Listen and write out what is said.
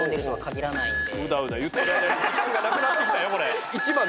うだうだ言ってる間に時間がなくなってきたよ。